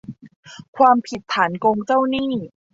ความผิดฐานโกงเจ้าหนี้